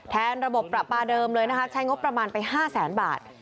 ระบบประปาเดิมเลยนะคะใช้งบประมาณไป๕แสนบาท